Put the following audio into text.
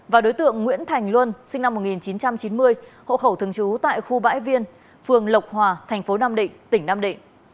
và đối tượng nguyễn thành luân sinh năm một nghìn chín trăm chín mươi hộ khẩu thường trú tại khu bãi viên phường lộc hòa thành phố nam định tỉnh nam định